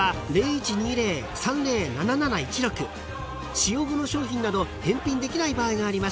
［使用後の商品など返品できない場合があります］